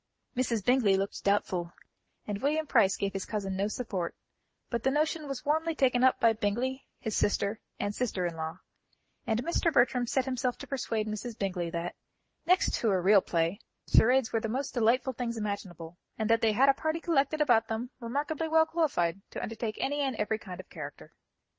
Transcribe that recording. Mrs. Bingley looked doubtful, and William Price gave his cousin no support; but the notion was warmly taken up by Bingley, his sister and sister in law, and Mr. Bertram set himself to persuade Mrs. Bingley that, next to a real play, charades were the most delightful things imaginable, and that they had a party collected about them remarkably well qualified to undertake any and every kind of character.